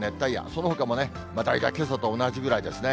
そのほかも大体けさと同じぐらいですね。